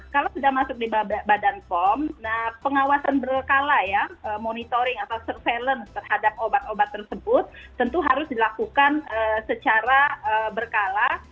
kalau sudah masuk di badan pom pengawasan berkala ya monitoring atau surveillance terhadap obat obat tersebut tentu harus dilakukan secara berkala